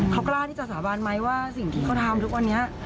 เขากล้าที่จะสาบานไหมว่าสิ่งที่เขาทำทุกวันนี้